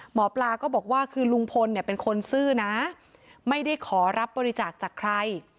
หมอปลาก็บอกว่าคือลุงพลเนี่ยเป็นคนซื่อนะไม่ได้ขอรับบริจาคจากใคร